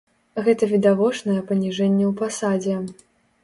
Гэта відавочнае паніжэнне ў пасадзе.